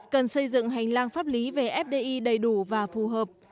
cần xây dựng hành lang pháp lý về fdi đầy đủ và phù hợp